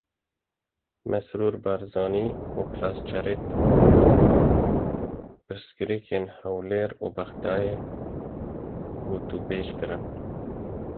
Mesrûr Barzanî û Plasschaert pirsgirêkên Hewlêr û Bexdayê gotûbêj kirin.